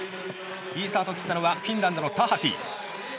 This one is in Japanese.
いいスタートを切ったのはフィンランドのタハティ。